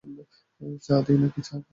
চা দিই, নাকি চা-ও খাবে না?